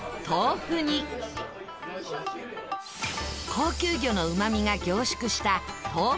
高級魚のうまみが凝縮した豆腐煮。